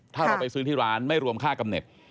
ถ้าเราไปซื้อที่ร้านไม่รวมค่ากำเน็ต